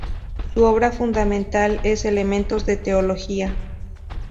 Su obra fundamental es "Elementos de teología".